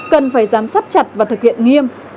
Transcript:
cần phải giám sát chặt và thực hiện nghiêm